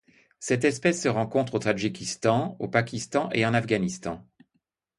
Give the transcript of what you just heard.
Cette espèce se rencontre au Tadjikistan, au Pakistan et en Afghanistan.